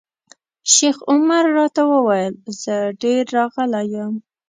شیخ عمر راته وویل زه ډېر راغلی یم.